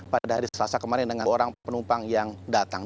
pada hari selasa kemarin dengan orang penumpang yang datang